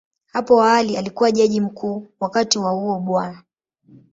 Hapo awali alikuwa Jaji Mkuu, wakati huo Bw.